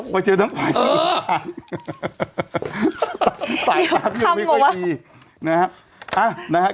ไปเจอทั้งควายทั้งหลงทางเออ